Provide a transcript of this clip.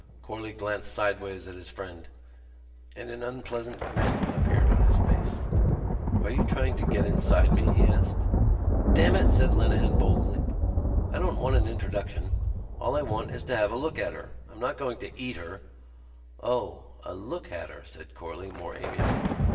Corley glanced sideways at his friend and an unpleasant grin appeared on his face. "Are you trying to get inside me?" he asked. "Damn it!" said Lenehan boldly, "I don't want an introduction. All I want is to have a look at her. I'm not going to eat her." "O.... A look at her?" said Corley, more amiably.